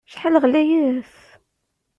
Acḥal ɣlayet!